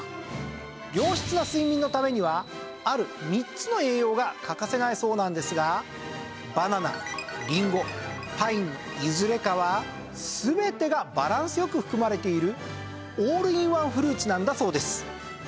良質な睡眠のためにはある３つの栄養が欠かせないそうなんですがバナナりんごパインのいずれかは全てがバランス良く含まれているオールインワンフルーツなんだそうです。